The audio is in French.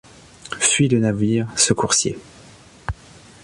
Fuit le navire, ce coursier